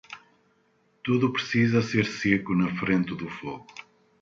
Tudo precisa ser seco na frente do fogo.